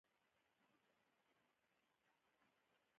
افغانستان کې د پسونو د پرمختګ لپاره هڅې شته.